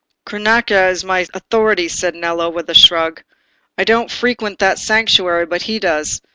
"Cronaca is my authority," said Nello, with a shrug. "I don't frequent that sanctuary, but he does.